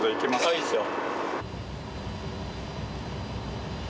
いいですよ。